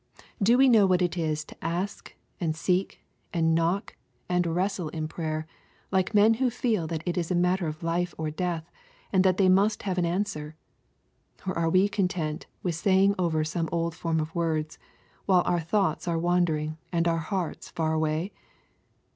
— Do we know what it is to " ask," and " seek," and *^ knock," and wrestle in prayer, like men who feel that it is a matter of life or death, and that they must have an answer ?— Or are we content with saying over some old form of words, while our thoughts are wander ing, and our hearts far away